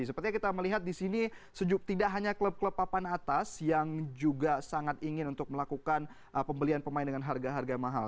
sepertinya kita melihat di sini tidak hanya klub klub papan atas yang juga sangat ingin untuk melakukan pembelian pemain dengan harga harga mahal